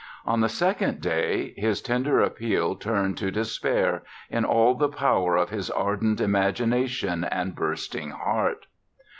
On the second day, his tender appeal turned to despair, in all the power of his ardent imagination and bursting heart.